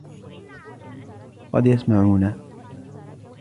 قد يسمعونا.